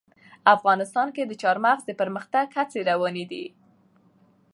افغانستان کې د چار مغز د پرمختګ هڅې روانې دي.